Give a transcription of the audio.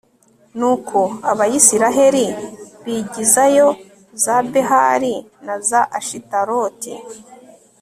nuko abayisraheli bigizayo za behali na za ashitaroti